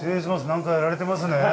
何かやられてますね。